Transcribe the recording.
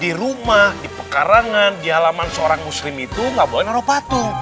di rumah di pekarangan di halaman seorang muslim itu gak boleh naruh patuh